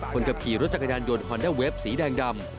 คนขับขี่รถจักรยานยนต์ฮอนด้าเวฟสีแดงดำ